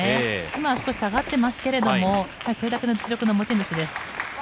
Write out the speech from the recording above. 今は少し下がってますがそれだけの実力の持ち主です。